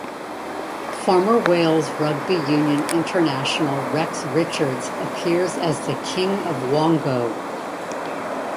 Former Wales rugby union international Rex Richards appears as the King of Wongo.